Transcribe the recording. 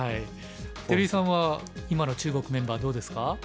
照井さんは今の中国メンバーどうですか？